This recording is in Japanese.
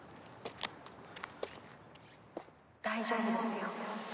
大丈夫ですよ。